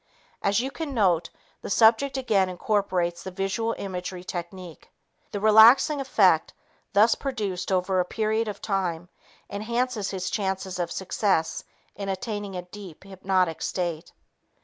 As you can note, the subject again incorporates the visual imagery technique. The relaxing effect thus produced over a period of time enhances his chances of success in attaining a deep, hypnotic state.